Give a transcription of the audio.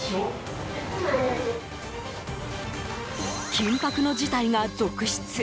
緊迫の事態が続出。